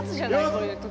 こういう時。